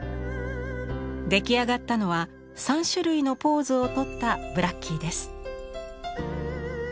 出来上がったのは３種類のポーズをとったブラッキーです。